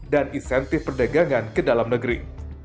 dan isentif perdagangan ke dalam negeri